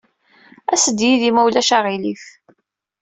As-d yid-i ma ulac aɣilif.